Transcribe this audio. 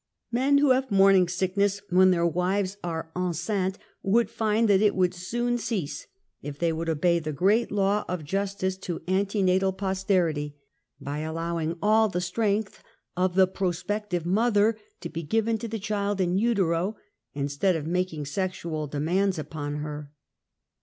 Men who have morning sickness when their wives are enceinte^ would find that it would soon cease if they would obey the great law of justice to antenatal, 48 UNMASKED. posterity, by allowing all the strength of the pros pective mother to be given to the child in utero, \instead of making sexual demands upon her.